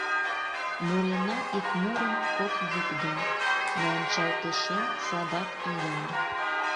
Мурена ик мурым кок йӱк ден, Но ончалтышем садак иян.